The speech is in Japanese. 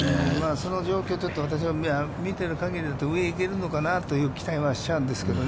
その状況、ちょっと私は見てる限りだと、上へ行けるのかなという期待はしちゃうんですけどね。